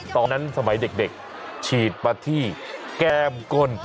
ตอนนั้นสมัยเด็กฉีดมาที่แก้มกล